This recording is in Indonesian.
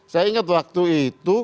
saya ingat waktu itu